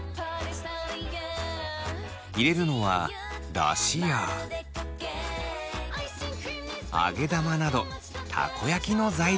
入れるのはだしや揚げ玉などたこ焼きの材料。